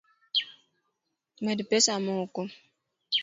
Med pesa moko